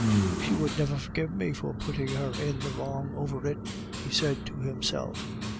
"She would never forgive me for putting her in the wrong over it," he said to himself.